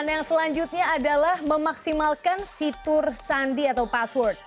yang selanjutnya adalah memaksimalkan fitur sandi atau password